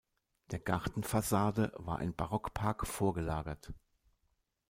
Der Gartenfassade war ein Barockpark vorgelagert.